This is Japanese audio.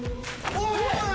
おい！